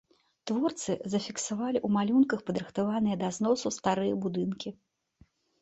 Творцы зафіксавалі ў малюнках падрыхтаваныя да зносу старыя будынкі.